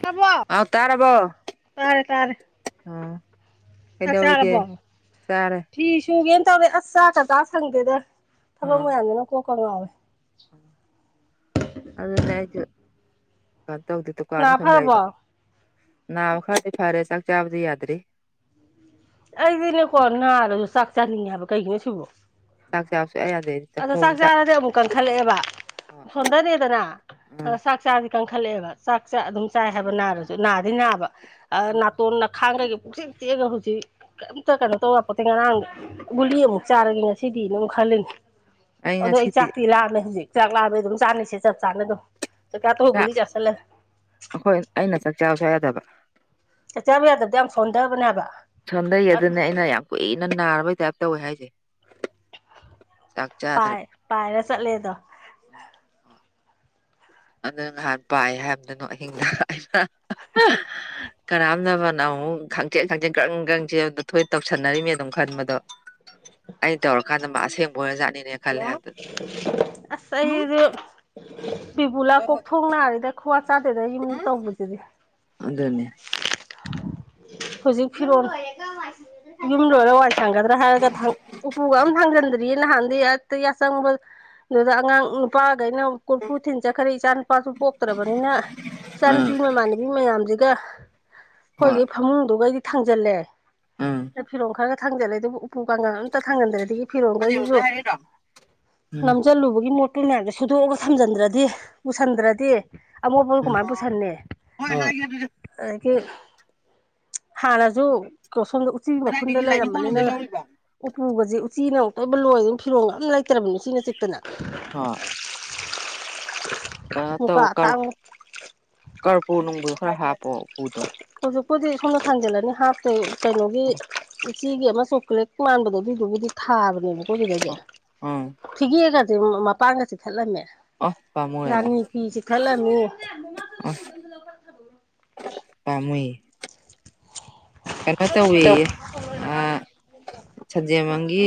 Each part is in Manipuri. ꯇꯥꯔꯕꯣ ꯑꯧ ꯇꯥꯔꯕꯣ ꯑ ꯇꯥꯔꯦ ꯇꯥꯔꯦ ꯆꯥꯛ ꯀꯩꯗꯧꯔꯤꯒꯦ ꯆꯥꯔꯕꯣ ꯆꯥꯔꯦ ꯐꯤ ꯁꯨꯒꯦꯅ ꯇꯧꯔꯤ ꯑꯁ ꯆꯥ ꯀꯇꯥ ꯁꯪꯗꯦꯗ ꯊꯕꯛ ꯑꯥ ꯃꯌꯥꯝꯖꯤꯅ ꯀꯣꯛꯀ ꯉꯥꯎꯋꯦ ꯑꯗꯨꯅꯦ ꯑꯩꯖꯨ ꯀꯩꯅꯣ ꯇꯧꯗꯦ ꯗꯨꯀꯥꯟꯗ ꯅꯥ ꯁꯨꯝ ꯂꯩꯕ ꯐꯔꯕꯣ ꯅꯥꯕ ꯈꯔꯗꯤ ꯐꯔꯦ ꯆꯥꯛ ꯆꯥꯕꯗꯤ ꯌꯥꯗ꯭ꯔꯤ ꯑꯩꯗꯤꯅꯦꯀꯣ ꯅꯥꯔꯖꯨ ꯆꯥꯛ ꯆꯥꯅꯤꯡꯉꯦꯕ ꯀꯩꯒꯤꯅꯣ ꯁꯤꯕꯣ ꯆꯥꯛ ꯆꯥꯕ ꯁꯨꯛꯌꯥ ꯌꯥꯗꯦ ꯑꯗꯣ ꯆꯥꯛꯈꯣꯝ ꯆꯥꯛ ꯆꯥꯔꯗꯤ ꯑꯃꯨꯛ ꯀꯟꯈꯠꯂꯛꯑꯦꯕ ꯁꯣꯟꯗꯔꯦꯗꯅ ꯎꯝ ꯆꯥꯛ ꯆꯁꯤ ꯀꯟꯈꯠꯂꯛꯑꯦꯕ ꯆꯥꯛꯁꯦ ꯑꯗꯨꯝ ꯆꯥꯏ ꯍꯥꯏꯕ ꯅꯥꯔꯁꯨ ꯅꯥꯗꯤ ꯅꯥꯕ ꯑ ꯅꯥꯇꯣꯟ ꯅꯈꯥꯡꯗꯒꯤ ꯄꯨꯛꯆꯤꯛ ꯆꯤꯛꯑꯒ ꯍꯧꯖꯤꯛ ꯀꯩꯝꯇ ꯀꯩꯅꯣ ꯇꯧꯌꯥꯄꯣꯠꯇꯦ ꯉꯔꯥꯡ ꯒꯨꯂꯤ ꯑꯃꯨꯛ ꯆꯥꯔꯒꯦ ꯉꯁꯤꯗꯤꯅ ꯑꯃꯨꯛ ꯈꯜꯂꯤꯅꯤ ꯑꯗꯣ ꯑꯩ ꯆꯥꯛꯇꯤ ꯂꯥꯛꯃꯦ ꯍꯧꯖꯤꯛ ꯆꯥꯛ ꯆꯥꯛꯂꯥꯝꯃꯦ ꯑꯗꯨꯝ ꯆꯥꯅꯤꯁꯦ ꯆꯞ ꯆꯥꯅ ꯑꯗꯨꯝ ꯆꯛꯆꯥꯇꫭꯛꯑ ꯆꯥꯛ ꯒꯨꯂꯤ ꯆꯥꯁꯤꯜꯂꯦ ꯑꯩꯈꯣꯏ ꯑꯩꯅ ꯆꯥꯛ ꯆꯥꯕ ꯁꯨꯡꯌꯥ ꯌꯥꯗꯕ ꯆꯥꯛ ꯆꯥꯕ ꯌꯥꯗꯕꯖꯦ ꯌꯥꯝ ꯁꫭꯟꯗꯕꯅꯦ ꯍꯥꯏꯕ ꯁꯣꯟꯗꯩ ꯑꯁ ꯑꯗꯨꯅꯦ ꯑꯩꯅ ꯌꯥꯝ ꯀꯨꯏꯅ ꯅꯥꯔꯕꯩ ꯇꯥꯏꯞ ꯇꯧꯋꯦ ꯍꯥꯏꯖꯦ ꯄꯥꯏ ꯄꯥꯏꯔ ꯆꯠꯂꯦꯗꯣ ꯑꯗꯨ ꯅꯍꯥꯟ ꯄꯥꯏ ꯍꯥꯏꯃꯠꯇꯗ ꯑꯍꯤꯡꯗ ꯀꯔꯝꯗꯕꯅꯅꯥ ꯑꯃꯨꯛꯪ [unintelligible] ꯍꯥꯡꯆꯦꯠ ꯍꯥꯡꯆꯦꯠ ꯀ꯭ꯔꯪ ꯀ꯭ꯔꯪ ꯆꯦꯟ ꯃꯊꯣꯏ ꯇꯧꯁꯟꯅꯔꯤꯃꯦ ꯑꯗꯨꯝ ꯈꯟꯕꯗꯣ ꯑꯩꯅ ꯇꯧꯔꯀꯥꯟꯗ ꯃꯥ ꯑꯁꯦꯡꯕ ꯑꯣꯏꯅꯖꯥꯠꯅꯤꯅꯦ ꯈꯜꯂꯦ ꯑꯁ ꯑꯩꯗꯤ ꯕꯤꯕꯨꯂꯥ ꯀꯣꯛꯊꯣꯡ ꯅꯥꯔꯦꯗ ꯈꯨꯋꯥ ꯆꯥꯗꯦꯗ ꯌꯨꯝꯗ ꯇꯧꯕꯁꯤꯗꯤ ꯑꯗꯨꯅꯦ ꯍꯧꯖꯤꯛ ꯐꯤꯔꯣꯟ ꯌꯨꯝ ꯂꯣꯏꯔꯦ ꯋꯥꯏ ꯊꯥꯡꯒꯗ꯭ꯔꯥ ꯍꯥꯏꯔꯒ ꯊꯥꯡ ꯎꯄꯨꯒ ꯑꯝ ꯊꯥꯡꯖꯤꯟꯗ꯭ꯔꯤ ꯗꯤ ꯅꯍꯥꯟꯗꯤ ꯍꯦꯛꯇ ꯌꯥꯆꯪꯕꯗꯨꯗ ꯑꯉꯥꯡ ꯅꯨꯄꯥꯈꯩꯅ ꯀꯣꯔꯨꯐꯨ ꯊꯤꯟ ꯆꯠꯈ꯭ꯔꯦ ꯏꯆꯥ ꯅꯨꯄꯥꯁꯨ ꯄꯣꯛꯇ꯭ꯔꯕꯅꯤꯅ ꯏꯆꯥ ꯅꯨꯨꯄꯤ ꯎꯝ ꯃꯃꯥꯟꯅꯕꯤ ꯃꯌꯥꯝꯖꯤꯒ ꯍꯣꯏ ꯑꯩꯈꯣꯏꯒꯤ ꯐꯃꯨꯡꯗꯨꯒꯩꯗꯤ ꯊꯥꯡꯖꯜꯂꯦ ꯎꯝ ꯑꯗꯩ ꯐꯤꯔꯣꯜ ꯈꯔꯒ ꯈꯪꯗꯦꯗ ꯑꯗꯨꯕꯨ ꯎꯄꯨ ꯀꯥꯡꯗꫭꯟ ꯑꯝꯇ ꯊꯥꯡꯖꯟꯗ꯭ꯔꯗꯤ ꯐꯤꯔꯣꯟ ꯍꯧꯖꯤꯛ ꯒꯩꯖꯤꯖꯨ ꯍꯧꯖꯤꯛ ꯍꯥꯏꯔꯛꯏꯔꯣ ꯎꯝ ꯅꯝꯖꯜꯂꯨꯕꯒꯤ ꯃꯣ ꯑꯗꯨꯨꯏ ꯃꯌꯥꯝꯁꯦ ꯁꯨꯗꯣꯛꯑꯒ ꯊꯝꯖꯤꯟꯗ꯭ꯔꯗꯤ ꯄꯨꯁꯟꯗ꯭ꯔꯗꯤ ꯑ ꯃꯣꯠꯕꯗꫭ ꯀꯨꯃꯥꯏ ꯑꯣ ꯄꯨꯁꯟꯅꯤ ꯍꯣꯏ ꯍꯥꯏꯒꯦ ꯑꯗꯨꯗꯤ ꯑꯗꯒꯤ ꯍꯥꯟꯅꯖꯨ ꯁꯣꯝꯗ ꯎꯆꯤ ꯃꯈꯨꯟꯗ ꯀꯗꯥꯏꯗꯒꯤ ꯂꯥꯏꯅꯤꯡꯀꯣꯜ ꯂꯩꯔꯝꯕꯅꯤꯅ ꯂꯣꯝꯗꯩ ꯂꯧꯔꯤꯕ ꯎꯄꯨꯒꯖꯦ ꯎꯆꯤꯅ ꯑꯃꯨꯛꯇꯣꯏꯕ ꯂꯣꯏꯔꯦ ꯐꯤꯔꯣꯡ ꯑꯝ ꯂꯩꯇ꯭ꯔꯕꯅꯤ ꯎꯆꯤꯅ ꯆꯤꯛꯇꯅ [unintelligible] ꯍꯣꯏ ꯀꯩꯅꯣ ꯃꯨꯀꯥ ꯇꯧ ꯀꯔ ꯑꯇꯥꯡꯕ ꯀꯔꯄꯨ ꯅꯨꯡꯕꯨ ꯈꯔ ꯍꯥꯞꯄꯣ ꯎꯄꯨꯗꯣ ꯍꯧꯖꯤꯛꯄꯨꯗꯤ ꯁꯣꯝꯗ ꯊꯥꯡꯖꯤꯜꯂꯅꯤ ꯍꯥꯞꯇꯩ ꯀꯩꯅꯣꯒꯤ ꯎꯆꯤꯒꯤ ꯑꯃ ꯆꯣꯀ꯭ꯂꯦꯠ ꯃꯥꯟꯕꯗꯣ ꯑꯗꯨꯗꯨꯕꯨꯗꯤ ꯊꯥꯕꯅꯦꯕꯀꯣ ꯑꯗꯨꯗꯗꯤ ꯎꯝ ꯐꯤꯒꯦꯒꯁꯦ ꯃꯄꯥꯟꯒ ꯆꯤꯛ ꯊꯠꯂꯝꯃꯦ ꯑꯣ ꯔꯥꯅꯤ ꯐꯤ ꯆꯤꯛ ꯊꯠꯂꯝꯃꯤ ꯑꯁ ꯄꯥꯝꯃꯨꯏ ꯀꯩꯅꯣ ꯇꯧꯋꯤꯌꯦ ꯑ ꯁꯟꯖꯦꯟꯕꯝꯒꯤ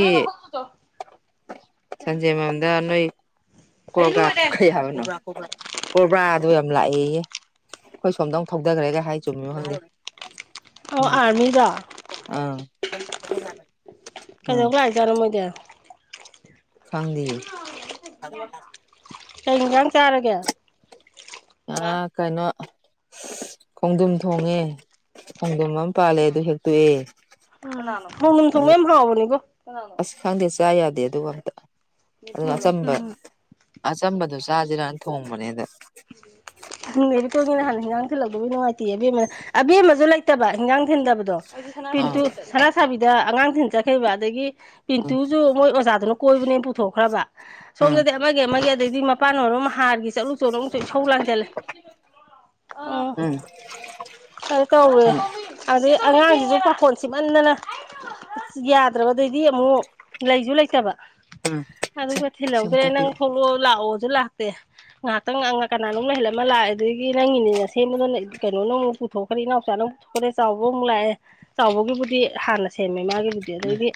ꯁꯟꯖꯦꯟ ꯕꯝꯗ ꯅꯣꯏ ꯀꯣꯔꯣꯔꯒ꯭ꯔ ꯀꯩ ꯍꯥꯏꯕꯅꫭ ꯀꯣꯔꯕꯥꯔꯥꯗꯣ ꯌꯥꯝ ꯂꯥꯛꯑꯦꯌꯦ ꯑꯩꯈꯣꯏ ꯁꯣꯝꯗ ꯃꯨꯛ ꯊꯧꯗꯈ꯭ꯔꯦꯒ ꯍꯥꯏ ꯆꯨꯝꯃꯤꯕ ꯈꯪꯗꯦ ꯑꯧ ꯑꯥꯔꯃꯤꯗꯣ ꯎꯝ ꯑꯥ ꯎꯝ ꯌꯥꯔꯝꯃꯣꯏꯗ ꯈꯪꯗꯤꯌꯦ [unintelligible] ꯀꯩ ꯌꯦꯟꯖꯥꯡ ꯆꯥꯔꯒꯦ ꯑꯥ ꯀꯩꯅꯣ ꯈꯣꯡꯗꯨꯝ ꯊꯣꯡꯉꯦ ꯈꯣꯡꯗꯨꯝ ꯑꯃ ꯄꯥꯜꯂꯦ ꯑꯗꯨ ꯍꯦꯛꯇꯣꯛꯑꯦ ꯀꯅꯥꯅꫭ ꯈꯣꯡꯗꯨꯝ ꯊꫭꯡꯕ ꯑꯗꯨ ꯌꯥꯝ ꯍꯥꯎꯕꯅꯤꯀꯣ ꯀꯅꯥꯅꫭ ꯑꯁ ꯈꯪꯗꯦ ꯆꯥ ꯌꯥꯗꯦ ꯑꯗꯨꯒ ꯑꯝꯇ ꯑꯗꯨꯅ ꯑꯆꯝꯕ ꯎꯝ ꯑꯆꯝꯕꯗꫭ ꯆꯥꯁꯤꯔꯅ ꯊꯣꯡꯕꯅꯦ ꯑꯗ ꯈꯪꯗꯦ ꯑꯩꯁꯨ ꯏꯇꯣꯏꯒꯤ ꯅꯍꯥꯟ ꯍꯤꯟꯖꯥꯡ ꯊꯤꯜꯂꯛꯇꯗꯕꯒꯤ ꯅꯨꯡꯉꯥꯏꯇꯦ ꯑꯕꯦꯝꯃꯅ ꯑꯕꯦꯝꯃꯁꯨ ꯂꯩꯇꯕ ꯍꯤꯟꯖꯥꯡ ꯊꯤꯟꯗꯕꯗꯣ ꯑꯥ ꯄꯤꯟꯇꯨ ꯁꯅꯥ ꯁꯥꯕꯤꯗ ꯑꯉꯥꯡꯁꯤꯡ ꯆꯠꯈꯩꯕ ꯑꯗꯒꯤ ꯎꯝ ꯄꯟꯇꯨꯁꯨ ꯃꯣꯏ ꯑꯣꯖꯥꯗꯨꯅ ꯀꯣꯏꯕꯅꯦꯅ ꯄꯨꯊꯣꯛꯈ꯭ꯔꯕ ꯎꯝ ꯁꯣꯝꯗꯗꯤ ꯑꯃꯒꯤ ꯑꯃꯒꯤ ꯑꯗꯩꯗꯤ ꯃꯄꯥꯟ ꯃꯔꫭꯟ ꯑꯃ ꯍꯥꯔꯒꯤ ꯆꯠꯂꯨ ꯆꯣꯠꯂꯨ ꯑꯃꯨꯛꯁꯨ ꯏꯁꯧ ꯂꯥꯡꯁꯤꯟꯂꯦ [unintelligible] ꯑ ꯎꯝ ꯈꯔꯁꯨ ꯇꯧꯋꯦ ꯎꯝ ꯑꯗꯩ ꯑꯉꯥꯡꯁꯤꯁꯨ ꯄꯥꯈꫭꯟ ꯁꯤꯃꯟꯗꯅ ꯑꯁ ꯌꯥꯗ꯭ꯔꯕ ꯑꯗꯥꯏꯗꯤ ꯑꯃꯨꯛ ꯂꯩꯁꯨ ꯂꯩꯇꯕ ꯑꯗꯨꯒ ꯁꯤ ꯊꯤꯜꯍꯧꯗ꯭ꯔꯦ ꯑꯝꯇ ꯅꯪ ꯄꯤꯔꯛꯑꯣ ꯊꯣꯛꯂꯛꯑꯣ ꯂꯥꯛꯑꯣꯁꯨ ꯂꯥꯛꯇꯦ ꯉꯥꯏꯍꯥꯛꯇꯪ ꯑꯉꯥꯡ ꯀꯅꯥꯅꫭꯃ ꯉꯥꯏꯍꯥꯜꯂꯝꯃ ꯂꯥꯛꯑꯦ ꯑꯗꯒꯤ ꯅꯪꯒꯤꯅꯤꯅ ꯁꯦꯝꯕꯗꯨꯅ ꯀꯩꯅꯣ ꯅꯃꯨꯛ ꯄꯨꯊꯣꯛ ꯄꯔꯤ ꯏꯅꯥꯎꯆꯥꯅ ꯑꯃꯨꯛ ꯄꯨꯊꯣꯛꯈ꯭ꯔꯦ ꯆꯥꯎꯕ ꯑꯃꯨꯛ ꯂꯥꯛꯑꯦ ꯆꯥꯎꯕꯒꯤꯕꯨꯗꯤ ꯍꯥꯟꯅ ꯁꯦꯝꯃꯦ ꯃꯥꯒꯤꯕꯨꯗꯤ ꯑꯗꯩꯗꯤ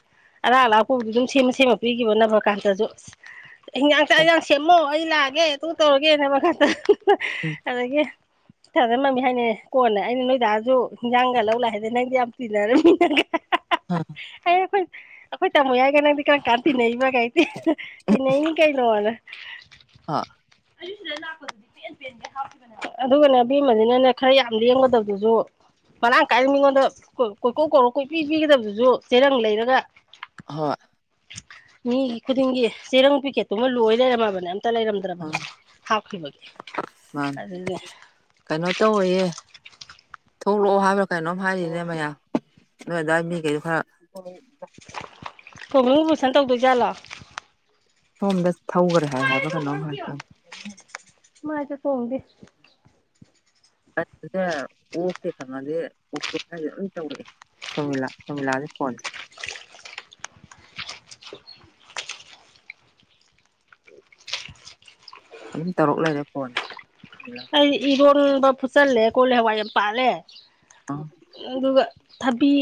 ꯑꯔꯥꯞ ꯑꯔꯥꯛꯄꯕꯨꯗꯤ ꯑꯗꯨꯝ ꯁꯦꯝꯃ ꯁꯦꯝꯃ ꯄꯤꯈꯤꯕ ꯅꯅꯕ꯭ꯔ ꯀꯥꯟꯗꯁꯨ ꯍꯤꯟꯖꯥꯡ ꯆꯥꯛ ꯍꯟꯖꯥꯡ ꯁꯦꯝꯃꯣ ꯑꯩ ꯂꯥꯛꯑꯒꯦ ꯑꯗꯨ ꯇꯧꯔꯒꯦꯅ ꯃꯈꯥꯇ ꯎꯝ ꯑꯗꯒꯤ ꯊꯔꫭꯏ ꯃꯥꯟꯕꯤ ꯍꯥꯏꯅꯦ ꯀꯣꯟꯅ ꯑꯩꯅ ꯅꯣꯏ ꯗꯥꯁꯨ ꯏꯟꯁꯥꯡꯒ ꯂꯧ ꯂꯥꯛ ꯍꯟꯗꯦ ꯅꯪꯗꯤ ꯌꯥꯝ ꯇꯤꯟꯅꯔꯝꯃꯤꯅ ꯍꯥ ꯑꯩꯅ ꯑꯩꯈꯣꯏ ꯑꯩꯈꯣꯏ ꯇꯥꯃꯣ ꯌꯥꯏꯒ ꯅꯪꯗꯤ ꯀꯔꯝ ꯀꯥꯟ ꯇꯤꯟꯅꯩꯕ ꯀꯩꯏ ꯇꯤꯟꯅꯩꯅꯤ ꯀꯩꯅꯣꯅ [inaudible] ꯑꯥ ꯑꯩꯁꯨ ꯑꯗꯥ ꯂꯥꯛꯄꯗꯨꯅꯤ ꯄꯦꯟ ꯄꯦꯟ ꯍꯥꯞꯈꯤꯕꯅꯦꯕ ꯑꯗꯨꯒꯅꯦ ꯑꯕꯦꯝꯃꯁꯤꯅꯅꯦ ꯈꯔ ꯌꯥꯝ ꯂꯦꯡꯒꯗꯩꯕꯗꯨꯁꯨ ꯃꯔꯥꯡ ꯀꯥꯏꯅ ꯃꯤꯉꯣꯟꯗ ꯀꯣꯏꯀꯣꯛ ꯀꯧꯔꯣꯛ ꯀꯣꯏꯄꯤ ꯄꯤꯒꯗꯕꯗꯨꯁꯨ ꯆꯦꯔꯪ ꯂꯩꯔꯒ ꯍꯣꯏ ꯃꯤꯒꯤ ꯈꯨꯗꯤꯡꯒꯤ ꯆꯦꯔꯪ ꯄꯤꯀꯦꯠꯇꯨꯃ ꯂꯣꯏ ꯂꯩꯔꯝꯃꯕꯅꯦ ꯑꯝꯇ ꯂꯩꯔꯝ ꯑꯥ ꯍꯥꯞꯈꯤꯕꯒꯤ ꯑꯗꯨꯗꯤ ꯀꯩꯅꯣ ꯇꯧꯋꯌꯦ ꯊꯣꯛꯂꯛꯑꯣ ꯍꯥꯏꯕ꯭ꯔꯥ ꯀꯩꯅꯣꯝ ꯍꯥꯏꯔꯤꯅꯦ ꯃꯌꯥ ꯅꫭꯏꯑꯗꯥꯏ ꯃꯤꯈꯩꯗꯣ ꯈꯔ [unintelligible] ꯀꯣꯝꯕꯤꯟ ꯑꫭꯄ꯭ꯔꯦꯁꯟ ꯇꯧꯗꯣꯏꯖꯥꯠꯂꯣ ꯁꯣꯝꯗ ꯊꯧꯈꯔꯦ ꯍꯥꯏ ꯍꯥꯏꯕꯔ ꯀꯩꯅꯣꯝ ꯍꯥꯏ ꯃꯥꯥꯏꯗ ꯆꫭꯡꯗꯦ ꯅꯠꯇꯦꯗ ꯑꯣꯛꯇꯥꯒꯤ ꯐꯪꯉꯗꯤ ꯑꯣꯛꯇꯁꯦ ꯂꯣꯏ ꯇꯧꯔꯛꯑꯦ ꯁꯨꯃꯤꯂꯥ ꯁꯨꯃꯤꯂꯥ [unintelligible] ꯐꯣꯟ ꯑꯗꯨꯝ ꯇꯧꯔꯛ ꯂꯩꯔꯦ ꯐꯣꯟ [unintelligible] ꯑꯩ ꯏꯔꯣꯟꯕ ꯐꯨꯠꯆꯜꯂꯦ ꯀꯣꯜꯂꯦ ꯍꯋꯥꯏ ꯌꯥꯝ ꯄꯥꯜꯂꯦ ꯑꯥ ꯑꯗꯨꯒ ꯊꯕꯤ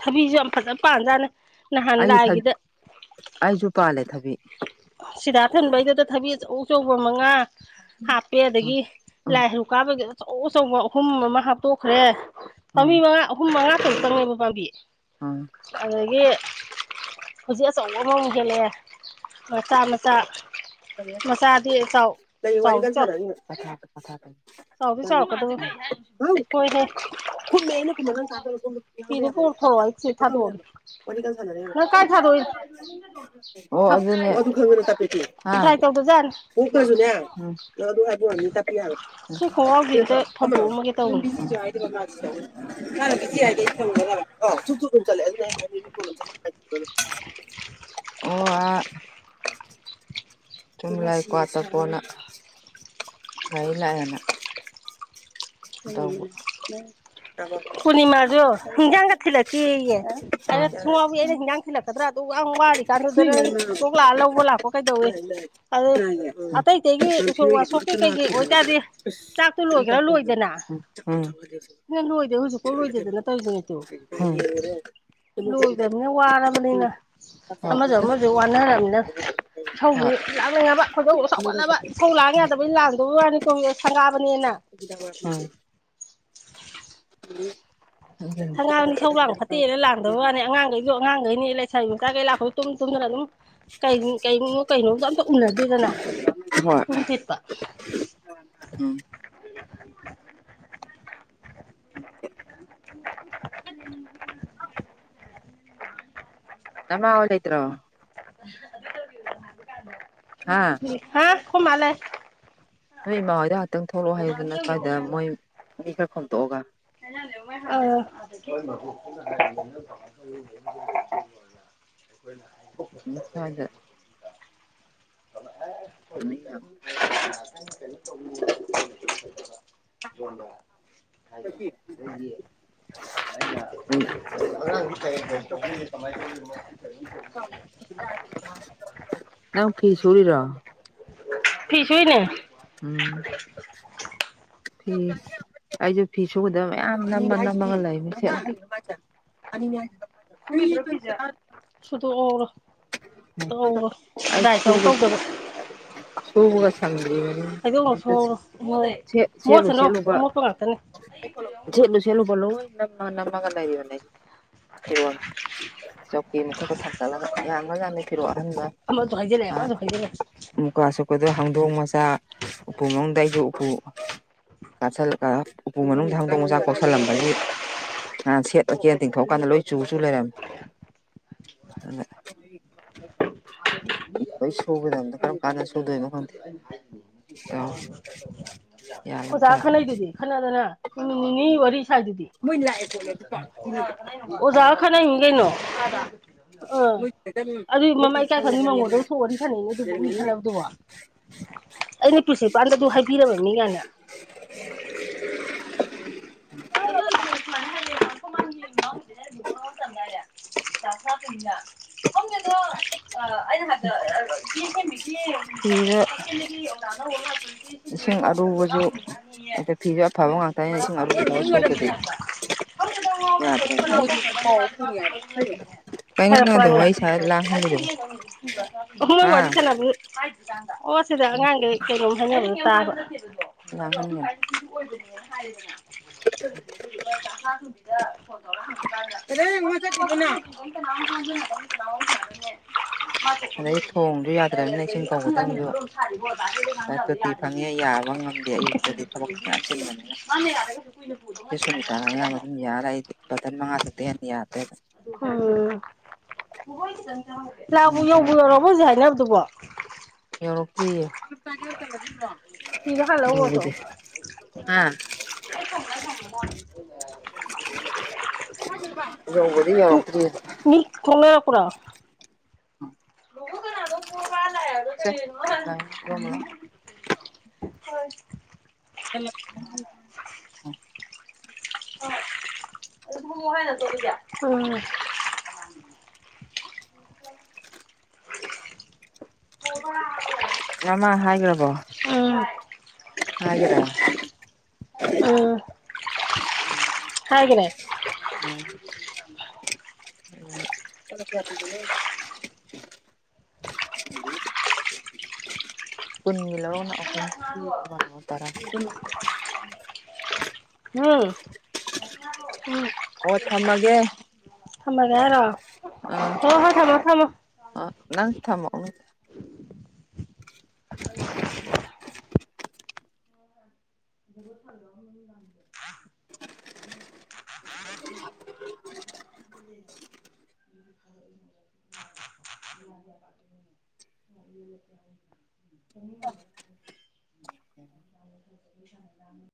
ꯊꯕꯤꯁꯨ ꯌꯥꯝ ꯐꯖꯅ ꯄꯥꯟꯖꯥꯠꯅꯦ ꯅꯍꯥꯟ ꯑꯩꯁꯨ ꯊꯕꯤ ꯂꯥꯏꯒꯤꯗ ꯑꯩꯁꯨ ꯄꯥꯜꯂꯦ ꯊꯕꯤ ꯁꯤꯗꯥ ꯑꯊꯟꯕꯩꯗꯨꯗ ꯊꯕꯤ ꯑꯆꯧ ꯑꯆꯧꯕ ꯃꯉꯥ ꯍꯥꯞꯄꯦ ꯎꯝ ꯑꯗꯒꯤ ꯎꯝ ꯂꯥꯏ ꯍꯥꯏꯔꯨꯛ ꯀꯥꯕꯒꯤ ꯑꯆꯧ ꯑꯆꯧꯕ ꯑꯍꯨꯝ ꯑꯃ ꯍꯥꯞꯇꯣꯛꯈ꯭ꯔꯦ ꯎꯝ ꯄꯥꯝꯕꯤ ꯃꯉꯥ ꯑ ꯍꯨꯝ ꯃꯉꯥ ꯇꯔꯨꯛꯇꯅꯦꯕ ꯄꯥꯝꯕꯤ꯫ ꯎꯝ꯫ ꯑꯗꯒꯤ ꯍꯧꯖꯤꯛ ꯑꯆꯧꯕ ꯑꯃ ꯑꯃꯨꯛ ꯍꯦꯛꯂꯛꯑꯦ꯫ ꯃꯆꯥ ꯃꯆꯥ꯫ [unintelligible] ꯃꯆꯥꯗꯤ ꯆꯥꯎ ꯂꯩ ꯋꯥꯔꯤ ꯆꯥꯎꯗꯤ ꯀꯟꯅ ꯆꯥꯎ ꯁꯥꯅꯔꯤꯕ [unintelligible] ꯆꯥꯎꯗꯤ ꯆꯥꯎꯔꯛꯀꯗꯕ ꯑꯩꯈꯣꯏ ꯃꯥꯖꯦ ꯀꯩ ꯍꯥꯏꯅꯣ ꯁꯤꯕꫭ ꯍꫭꯏꯍꯦ꯫ ꯈꯨꯝꯃꯦ ꯑꯩꯅ ꯈꯨꯝꯃ ꯅꯪꯅ ꯇꯥꯗ꯭ꯔꯥꯒ ꯁꯦꯝꯗ ꯉꯥꯡꯕ ꯌꯥꯗꯔꯒ ꯄꯣꯔꯛꯊꯣꯔꯛꯑꯣ ꯑꯩ [unintelligible] ꯁꯤ ꯀꯩꯅꯣ ꯇꯧꯔꯤ ꯍꯥꯏꯕ ꯊꯥꯗꯣꯛꯑꯒꯦ ꯋꯥꯔꯤꯀꯥꯟꯅ ꯁꯥꯟꯅꯔꯦ ꯅꯪ ꯀꯥꯏ ꯍꯥꯏꯕ ꯊꯥꯗꯣꯛꯏ [unintelligible] ꯑꯣ ꯑꯗꯨꯅꯦ ꯑꯗꯨ ꯈꯪꯗꯅ ꯇꯞꯄꯦꯇꯨ ꯑ ꯗ꯭ꯔꯥꯏ ꯇꯧꯗꯖꯥꯠꯅꯤ [unintelligible] ꯑ ꯅꯪ ꯑꯗꯨ ꯍꯥꯏꯕ ꯑꯣꯏꯔꯝꯃꯗꯤ ꯇꯞꯄ ꯌꯥꯕ ꯁꯤ ꯈꯣꯡꯒ꯭ꯔꯥꯎꯁꯦ ꯁꯤ ꯑꯝꯇ ꯅꯠꯇꯔꯣ ꯀꯔꯝꯕꯅꯣ ꯐꯧꯗꯣꯛꯑꯝꯃꯒꯦ [unintelligible] ꯇꯧꯕꯅꯤ ꯕꯤꯖꯤꯁꯨ ꯍꯥꯏ [unintelligible] [unintelligible] ꯊꯨꯛ ꯊꯨꯛ ꯑꯗꯨꯝ ꯆꯠꯂꯦ [unintelligible] ꯑꯣ ꯑ [unintelligible] ꯀ꯭ꯋꯥꯇꯞꯄꯣꯅ ꯒꯥꯔꯤ ꯂꯥꯛꯑꯦꯅ꯫ ꯇꯧꯕ ꯄꯨꯔꯅꯤꯃꯥꯁꯨ ꯍꯤꯟꯖꯥꯡꯒ [unintelligible] ꯊꯤꯜꯂꯛꯇꯦꯌꯦ ꯑꯩꯅ [unintelligible] [unintelligible] ꯑꯩꯅ ꯍꯤꯟꯖꯥꯡ ꯊꯤꯜꯂꯛꯀꯗ꯭ꯔꯥ ꯑꯗꯨꯌꯥꯝ ꯋꯥꯔꯤ ꯀꯥꯟꯗꯨꯗ ꯅꯪ ꯀꯣꯛ ꯂꯥꯛꯑ ꯂꯧꯕ ꯂꯥꯛꯄ ꯀꯩꯗꯧꯋꯦ꯫ ꯑꯗꯨ ꯑꯇꯩ ꯑꯇꯩꯒꯤ ꯅꯍꯥꯟ ꯎꯁꯣꯞ ꯐꯤꯔꯣꯏꯒ ꯑꯃꯠꯇ ꯋꯥꯁꯣꯛꯞꯀꯤ ꯀꯩ ꯀꯩ ꯂꯥꯛꯇꯦ ꯍꯥꯏꯕ ꯑꯣꯏꯇꯥꯔꯗꯤ ꯆꯥꯛꯇꯨ ꯑꯁ ꯂꯣꯏꯒꯔꯥ ꯂꯣꯏꯗꯅ꯫ [unintelligible] ꯗꯨ ꯍꯧꯖꯤꯛꯄꯧ ꯂꯣꯏꯗꯗꯅ ꯇꯧꯔꯤꯖꯤꯅꯦꯇꯨ꯫ ꯍꯣꯏ ꯂꯣꯏꯗ꯭ꯔꯕꯅꯤꯅ ꯋꯥꯔꯕꯅꯤꯅ ꯑꯃꯖꯨ ꯑꯃꯖꯨ ꯋꯥꯅꯔꯕꯅꯤꯅ꯫ ꯏꯁꯧꯖꯨ꯫ ꯂꯥꯡꯅꯤꯡꯉꯕ ꯈꯣꯏꯗꯧꯗꯣ ꯁꯥꯎꯒꯠꯂꯕ ꯇꯁꯧ ꯂꯥꯡꯕ ꯌꯥꯗꯕꯩ ꯂꯥꯟꯗꯕꯩ ꯋꯥꯅꯤ ꯀꯣ ꯁꯪꯒꯥꯕꯅꯦꯅ꯫ [unintelligible] ꯎꯝ [unintelligible] ꯁꯪꯒꯥꯕꯅꯤ ꯏꯁꯧ ꯂꯥꯡ ꯐꯠꯇꯦꯅ ꯂꯥꯡꯗꯕ ꯋꯥꯅꯤ ꯑꯉꯥꯡꯈꯩꯁꯨ ꯑꯉꯥꯡꯈꯩꯅꯤ ꯂꯩꯁꯥꯕꯤ ꯃꯆꯥꯥꯏꯒꯩ ꯂꯥꯛꯄ ꯇꯨꯝ ꯇꯨꯝꯗꯅ ꯑꯗꯨꯝ [unintelligible] ꯑꯝꯇ ꯎꯅꯗꯦꯗꯅ ꯏꯄꯨꯡ ꯊꯦꯠꯄ꯫ ꯎꯝ ꯅꯃꯥꯍꯣꯏ ꯂꯩꯇꯔꯣ꯫ ꯍꯥ [unintelligible] ꯍꯥ ꯑꯩꯈꯣꯏꯃꯥ ꯂꯩ꯫ ꯅꯣꯏ ꯏꯃꯥ ꯍꯣꯏꯗ ꯉꯥꯛꯇꯪ ꯊꯣꯛꯂꯛꯑꯣ ꯍꯥꯏꯌꯨꯗꯅ [unintelligible] ꯁ꯭ꯋꯥꯏꯗ ꯃꯣꯏ ꯃꯤ ꯈꯔ ꯈꯣꯝꯇꯣꯛꯑꯒ꯫ [unintelligible] ꯑꯥ [unintelligible] [unintelligible] [unintelligible] ꯁꯋꯥꯏꯗ꯫ [unintelligible] [unintelligible] [unintelligible] ꯑꯉꯥꯡꯗꯤ [unintelligible] [unintelligible] ꯅꯪꯐꯤ ꯁꯨꯔꯤꯔꯣ꯫ [unintelligible] ꯐꯤ ꯁꯨꯔꯤꯅꯦ꯫ ꯎꯝ꯫ [unintelligible] ꯐꯤ [unintelligible] ꯑꯩꯖꯨ ꯐꯤ ꯁꯨꯒꯗꯕ ꯃꯌꯥꯝ ꯅꯝꯃ [unintelligible] ꯅꯝꯃꯒ ꯂꯩ [unintelligible] ꯑꯅꯤꯅꯦ ꯍꯥꯏ [unintelligible] [unintelligible] ꯐꯤꯖꯦ ꯁꯨꯗꯣꯛꯍꯧꯔꯣ꯫ [unintelligible] ꯗ꯭ꯔꯥꯏ ꯁꯨꯕ ꯇꯧꯇꯧꯗꯅ꯫ ꯁꯨꯕꯒ ꯁꯪꯗ꯭ꯔꯤꯕꯅꯤ [unintelligible] ꯃꯣꯠꯂꯦ ꯁꯦꯠꯂꯨ ꯁꯦꯠꯂꯨꯕ꯫ [unintelligible] ꯁꯦꯠꯂꯨ ꯁꯦꯠꯂꯨꯕ ꯂꯣꯏ ꯅꯝꯃ ꯅꯝꯃꯒ ꯂꯩꯕꯅꯦ ꯐꯤꯔꯣꯟ꯫ ꯆꯧꯀꯔꯤ ꯃꯊꯛꯇ ꯊꯥꯡꯒꯠꯂꯒ ꯌꯥꯝꯒ꯭ꯔꯖꯥꯠꯅꯤ ꯐꯤꯔꯣꯟ ꯑꯍꯟ ꯑꯍꯟꯕ꯫ ꯑꯃꯁꯨ ꯍꯥꯏꯖꯤꯜꯂꯦ ꯈꯔꯁꯨ ꯍꯩꯖꯜꯂꯨ꯫ ꯃꯨꯀꯥ ꯁꯨꯠꯀꯗꯣ ꯍꯪꯗꯣꯡ ꯃꯆꯥ ꯎꯄꯨ ꯃꯅꯨꯡꯗ ꯑꯩꯁꯨ ꯎꯄꯨ [unintelligible] ꯎꯄꯨ [unintelligible] ꯃꯅꯨꯡꯗ ꯍꯪꯗꯣꯡ ꯃꯆꯥꯥ ꯀꯣꯛꯁꯜꯂꯝꯕꯒꯤ ꯅꯍꯥꯟ ꯁꯦꯠ ꯀꯦꯅ ꯇꯤꯡꯊꯣꯛꯑꯀꯥꯟꯗ ꯂꯣꯏ ꯆꯨ ꯆꯨ ꯂꯩꯔꯝꯃꯦ꯫ ꯑꯗ [unintelligible] ꯁꯒꯗ ꯀꯣ ꯀꯥꯟꯁꯨꯗꯣꯏ ꯑꯣ ꯑꯣꯖꯥ ꯈꯟꯅꯩꯗꯨꯗꯤ ꯈꯅꯗꯅ ꯅꯨꯃꯤꯠ ꯅꯤꯅꯤ ꯋꯥꯔꯤ ꯁ꯭ꯋꯥꯏꯗꯨꯗꯤ ꯃꯣꯏ ꯂꯥꯛꯑꯦ ꯄꯣꯠꯂꯦ ꯑꯗꯨꯅꯗ ꯑꯣꯖꯥ ꯈꯅ ꯍꯒꯩꯅꯣ ꯑ ꯃꯣꯏꯁꯤꯗ ꯑꯗꯨꯝ ꯑꯗꯨꯏ ꯒꯨꯂꯤ ꯃꯃꯥꯏ ꯏꯀꯥꯏ ꯈꯪꯉ ꯁꯪꯉꯕꯅꯤꯅ ꯃꯉꯣꯟꯗ ꯊꯣꯛꯎꯗꯤ ꯁꯥꯟꯅꯩꯅꯦ ꯑꯗꯨꯕꯨ ꯃꯤ ꯂꯩꯔꯝꯒꯅꯤ ꯈꯟꯅꯅꯕꯗꯨꯕꯣ ꯑꯩꯅ ꯄ꯭ꯔꯤꯁꯤꯄꯥꯟꯗ ꯑꯗꯨ ꯍꯥꯏꯕꯤꯔꯕꯅꯤꯉꯥꯏꯅ ꯑꯗꯨ [unintelligible] ꯑꯩꯅ [unintelligible] ꯐꯤꯗ ꯏꯁꯤꯡ ꯑꯔꯨꯕꯁꯨ ꯑꯗꯣ ꯐꯤꯁꯨ ꯑꯐꯕ ꯉꯥꯛꯇꯅꯤꯅ ꯢꯁꯤꯡ ꯑꯔꯨꯕꯅ ꯁꯨꯗ꯭ꯔꯗꯤ [unintelligible] ꯑꯩꯁꯨ ꯀꯩꯅꯣ ꯅꯪ ꯍꯥꯢꯔꯛꯄ꯭ꯔꯣ ꯑꯗ ꯋꯥꯔꯤ ꯁꯥꯔ ꯂꯥꯡꯍꯜꯂꯤꯗꯨꯕꯣ ꯍꯥꯢꯁꯦ ꯅꯣꯢ ꯍꯥ ꯋꯥꯔꯤ ꯁꯥꯟꯅ ꯑꯣ ꯁꯤꯗ ꯑꯉꯥꯡꯒꯩ ꯀꯩꯅꯣꯝ ꯍꯥꯢꯅꯕꯗꯨ ꯇꯥꯕ ꯂꯥꯡꯍꯟꯒꯅꯨ [unintelligible] [unintelligible] ꯐꯣꯟ ꯇꯧꯔ ꯍꯪꯉꯛꯀꯥꯟꯗ ꯀꯩꯗꯧꯕꯩꯅꯣ ꯃꯥ ꯆꯠꯈ꯭ꯔꯤꯗꯨꯅ [unintelligible] ꯑꯗꯩ ꯊꯣꯡꯁꯨ ꯌꯥꯗ꯭ꯔꯝꯅꯤꯅ ꯏꯁꯤꯡ ꯀꯧꯒꯗꯕꯁꯨ ꯇꯣꯇꯤ ꯐꯪꯉꯦ ꯌꯥꯕ ꯉꯝꯗꯦ ꯑꯌꯨꯛ ꯇꯗꯤ ꯊꯕꯛ ꯃꯌꯥꯝ ꯆꯤꯟꯕꯅꯤꯅ ꯆꯦ ꯁꯨꯅꯤꯇꯥꯅ ꯑꯌꯥꯝꯕ ꯑꯗꯨꯝ ꯌꯥꯔꯦ ꯑꯩꯗꯤ ꯕꯣꯇꯟ ꯃꯉꯥ ꯇꯔꯨꯛꯇꯒꯤ ꯍꯦꯟꯅ ꯌꯥꯗꯦ ꯎꯝ ꯂꯥꯕꯨ ꯑꯗꯨꯝ ꯌꯧꯕꯨ ꯌꯧꯔꯛꯑꯕꯣ ꯍꯧꯖꯤꯛ ꯍꯥꯏꯅꯕꯗꯨꯕꯣ ꯌꯥꯎꯔꯛꯇ꯭ꯔꯤꯌꯦ ꯌꯧꯕꯗꯤ ꯍꯥ [unintelligible] ꯌꯧꯕꯗꯤ ꯌꯧꯔꯛꯇ꯭ꯔꯤꯌꯦꯕ ꯃꯤ ꯈꯣꯡꯅ ꯂꯥꯛꯄ꯭ꯔꯣ [unintelligible] [unintelligible] ꯍꯣꯏ [unintelligible] [unintelligible] ꯅꯃꯥ ꯍꯥꯏꯒ꯭ꯔꯕꯣ ꯎꯝ ꯍꯥꯏꯒꯔꯦ ꯎꯝ ꯍꯥꯏꯒꯔꯦ ꯎꯝ [unintelligible] ꯀꯨꯟꯒꯤ ꯂꯧꯔꯅ ꯑꯍꯨꯝ ꯑꯃ ꯇꯔꯥ ꯑꯣ ꯊꯝꯃꯒꯦ [unintelligible] ꯊꯝꯃꯒꯦ ꯍꯥꯢꯔꯣ ꯍꯣ ꯍꯣ ꯊꯝꯃꯣ ꯊꯝꯃꯣ ꯑ ꯅꯪ ꯊꯝꯃꯛꯑꯣ [unintelligible] [unintelligible] [unintelligible] [unintelligible] [inaudible]